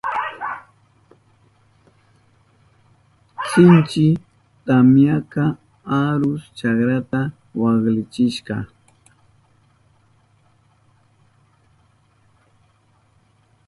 Sinchi tamyaka arus chakrata waklichishka.